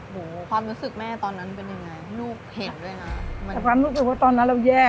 ความรู้สึกแม่ตอนนั้นเป็นยังไงลูกเห็นด้วยนะแต่ความรู้สึกว่าตอนนั้นเราแย่